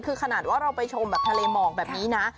คือขนาดว่าเราไปชมแบบทะเลหมอกแบบนี้นะ